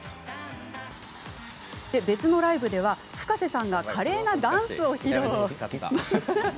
別のライブではＦｕｋａｓｅさんが華麗なダンスを披露。